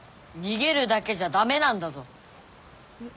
逃げるだけじゃ駄目なんだぞ。